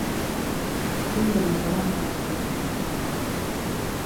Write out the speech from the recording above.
Tin d lhedra heddrent wallen.